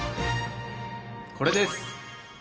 これです！